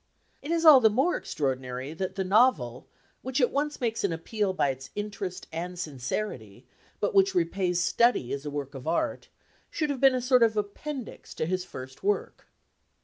It is all the more extraordinary that the novel which at once makes an appeal by its interest and sincerity, but which repays study as a work of art, should have been a sort of appendix to his first work.